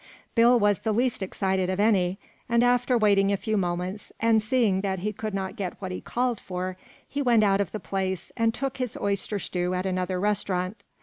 Bill was the least excited of any, and after waiting a few moments, and seeing that he could not get what he called for, he went out of the place and took his oyster stew at another restaurant.